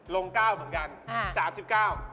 ลง๙เหมือนกัน